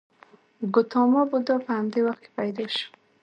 ګوتاما بودا په همدې وخت کې پیدا شو.